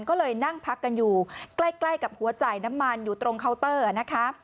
ก็เลยนั่งพักกันอยู่ใกล้กับหัวจ่ายน้ำมันอยู่ตรงเคาน์เตอร์นะคะ